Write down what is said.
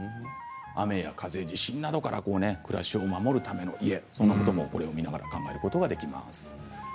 雨や風、地震などから暮らしを守るための家そういうことも織り込みながら考えることもできます。